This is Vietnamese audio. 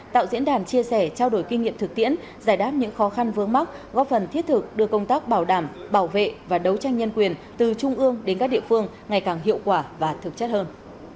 tạo diễn đàn chia sẻ trao đổi kinh nghiệm thực tiễn giải đáp những khó khăn vướng mắc góp phần thiết thực đưa công tác bảo đảm bảo vệ và đấu tranh nhân quyền từ trung ương đến các địa phương ngày càng hiệu quả và thực chất hơn